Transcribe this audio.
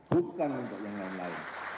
bukan untuk yang lain lain